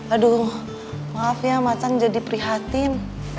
aduh maaf ya macan jadi prihatin